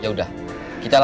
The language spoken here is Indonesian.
yaudah kita lari